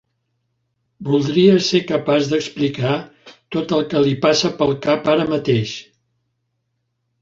Voldria ser capaç d'explicar tot el que li passa pel cap ara mateix.